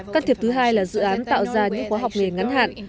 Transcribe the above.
can thiệp thứ hai là dự án tạo ra những khóa học nghề ngắn hạn